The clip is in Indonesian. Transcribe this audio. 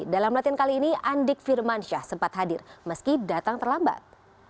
dalam latihan kali ini andik firmansyah sempat hadir meski datang terlambat